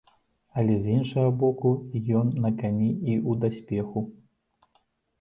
Але, з іншага боку, ён на кані і ў даспеху.